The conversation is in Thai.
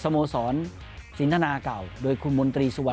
โมสรสินทนาเก่าโดยคุณมนตรีสุวรร